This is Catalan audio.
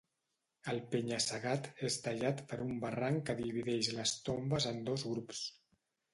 El penya-segat és tallat per un barranc que divideix les tombes en dos grups.